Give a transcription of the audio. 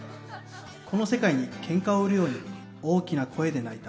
この世界にけんかを売るように大きな声で泣いた